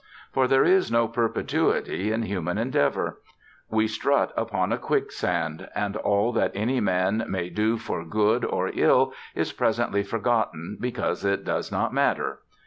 For there is no perpetuity in human endeavor: we strut upon a quicksand: and all that any man may do for good or ill is presently forgotten, because it does not matter.